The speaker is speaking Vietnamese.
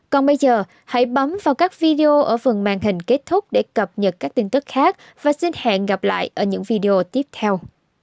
còn bây giờ hãy bấm vào các video ở phần màn hình kết thúc để cập nhật các tin tức khác và xin hẹn gặp lại ở những video tiếp theo